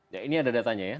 ya ini ada datanya ya